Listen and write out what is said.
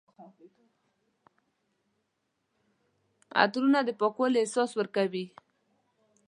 عطرونه د پاکوالي احساس ورکوي.